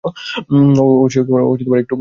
ও একটুও বদলায়নি।